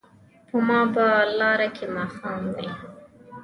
په ما به لاره کې ماښام وي